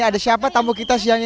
ada siapa tamu kita siang ini